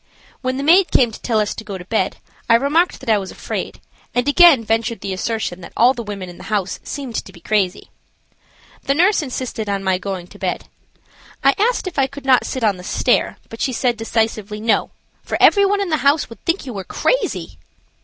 When the maid came to tell us to go to bed I remarked that I was afraid, and again ventured the assertion that all the women in the house seemed to be crazy. The nurse insisted on my going to bed. I asked if I could not sit on the stairs, but she said, decisively: "No; for every one in the house would think you were crazy."